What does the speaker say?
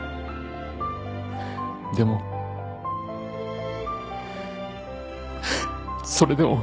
でもそれでも。